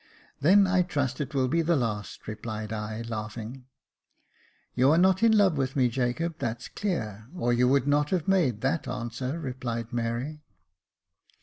*' Then I trust it will be the last," replied I, laughing. " You are not in love with me, Jacob, that's clear, or you would not have made that answer," replied Mary.